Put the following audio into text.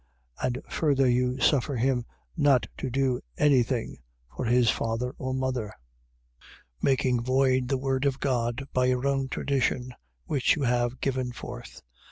7:12. And further you suffer him not to do any thing for his father or mother, 7:13. Making void the word of God by your own tradition, which you have given forth.